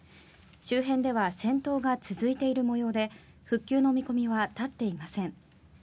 周辺では戦闘が続いている模様で復旧の見込みは立っていません。